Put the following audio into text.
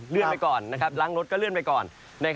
เลื่อนไปก่อนล้างรถก็เลื่อนไปก่อน